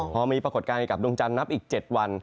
พอมีปรากฏการณ์กับดวงจันทร์นับอีก๗วัน